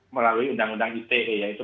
melalui undang undang ite yaitu